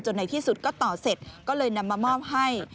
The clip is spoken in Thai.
ในที่สุดก็ต่อเสร็จก็เลยนำมามอบให้